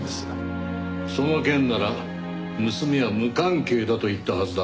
その件なら娘は無関係だと言ったはずだ。